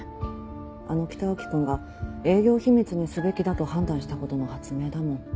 あの北脇君が営業秘密にすべきだと判断したほどの発明だもん。